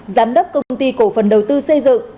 giám đốc công ty cổ phần đầu tư xây dựng